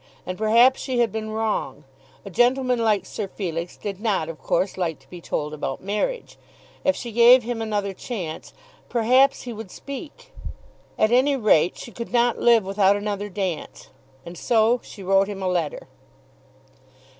And perhaps she had been wrong. A gentleman like Sir Felix did not of course like to be told about marriage. If she gave him another chance, perhaps he would speak. At any rate she could not live without another dance. And so she wrote him a letter.